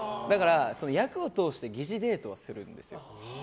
役を通して疑似デートをするんです。